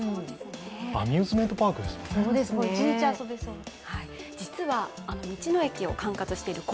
アミューズメントパークですよね。